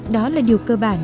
đó là điều cơ bản